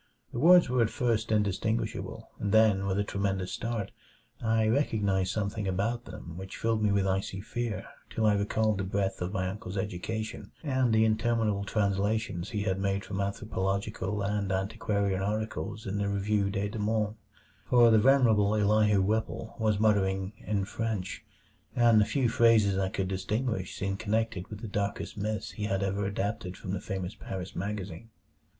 The words were at first indistinguishable, and then with a tremendous start I recognized something about them which filled me with icy fear till I recalled the breadth of my uncle's education and the interminable translations he had made from anthropological and antiquarian articles in the Revue des Deux Mondes. For the venerable Elihu Whipple was muttering in French, and the few phrases I could distinguish seemed connected with the darkest myths he had ever adapted from the famous Paris magazine.